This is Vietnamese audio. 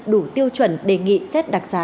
đủ tiêu chuẩn đề nghị xét đặc sá